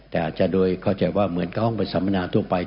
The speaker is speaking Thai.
แต่อาจจะโดยเข้าใจว่าเหมือนกับห้องไปสัมมนาทั่วไป